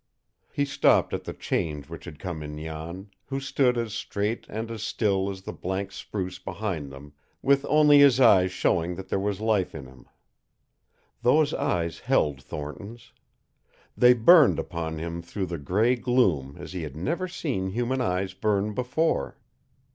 He stopped at the change which had come in Jan, who stood as straight and as still as the blank spruce behind them, with only his eyes showing that there was life in him. Those eyes held Thornton's. They burned upon him through the gray gloom as he had never seen human eyes burn before.